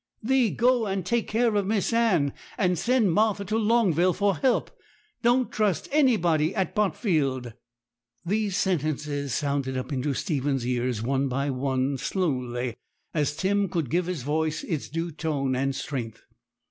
Thee go and take care of Miss Anne, and send Martha to Longville for help. Don't trust anybody at Botfield.' These sentences sounded up into Stephen's ears, one by one, slowly, as Tim could give his voice its due tone and strength.